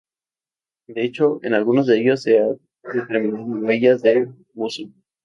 De hecho, en algunos de ellos se han determinado huellas de uso.